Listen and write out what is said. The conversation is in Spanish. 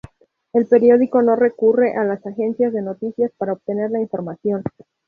El periódico no recurre a las agencias de noticias para obtener la información.